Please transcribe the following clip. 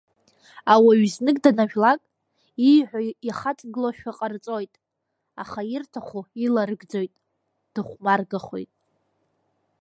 Ауаҩы знык данажәлак, ииҳәо иахаҵгылошәа ҟарҵоит, аха ирҭаху иларыгӡоит, дыхәмаргахоит…